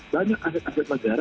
banyak aset aset negara